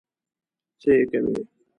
څه یې کوې؟